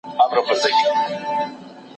اوسني درمل وایرس کنټرولوي.